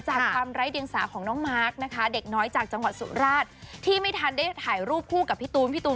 ความไร้เดียงสาของน้องมาร์คนะคะเด็กน้อยจากจังหวัดสุราชที่ไม่ทันได้ถ่ายรูปคู่กับพี่ตูนพี่ตูน